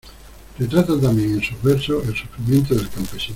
Retrata también, en sus versos, el sufrimiento del campesino.